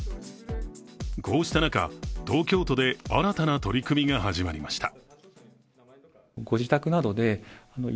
こうした中、東京都で新たな取り組みが始まりました。